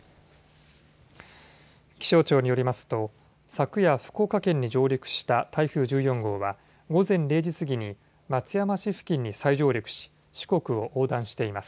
気象庁によりますと昨夜、福岡県に上陸した台風１４号は午前０時すぎに松山市付近に再上陸し四国を横断しています。